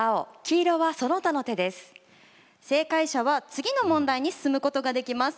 正解者は次の問題に進むことができます。